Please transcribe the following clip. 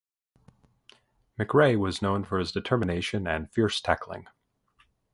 McRae was known for his determination and fierce tackling.